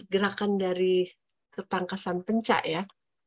gerakan dari ketangkasan penca ya